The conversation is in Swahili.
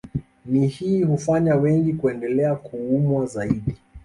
Na hii hufanya wengi kuendelea kuumwa zaidi